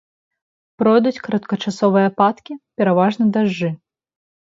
Пройдуць кароткачасовыя ападкі, пераважна дажджы.